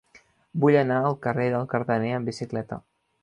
Vull anar al carrer del Cardener amb bicicleta.